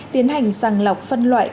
tiến hành sàng lọc phân loại